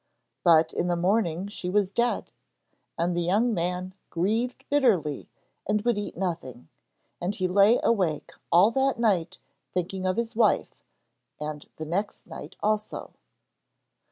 But in the morning she was dead, and the young man grieved bitterly and would eat nothing, and he lay awake all that night thinking of his wife, and the next night also.